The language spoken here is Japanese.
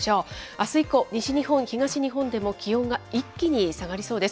あす以降、西日本、東日本でも気温が一気に下がりそうです。